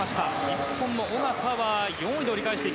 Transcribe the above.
日本の小方は４位で折り返し。